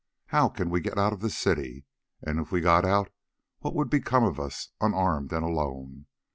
How can we get out of this city? And if we got out what would become of us, unarmed and alone?